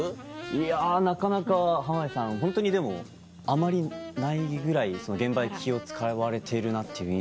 いやなかなか浜辺さんホントにでもあまりないぐらい現場に気を使われてるなっていう印象が。